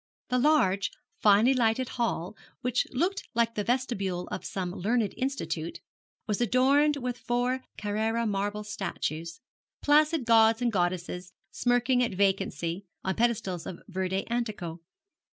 The large, finely lighted hall, which looked like the vestibule of some learned institute, was adorned with four Carrara marble statues, placid gods and goddesses smirking at vacancy, on pedestals of verde antico.